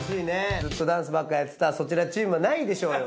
ずっとダンスばっかやってたそちらチームはないでしょうよ。